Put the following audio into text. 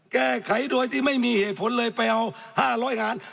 แก้ไขโดยที่ไม่มีเหตุผลเลยไปเอา๕๐๐ล้าน